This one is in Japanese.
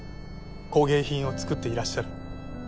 工芸品をつくっていらっしゃる。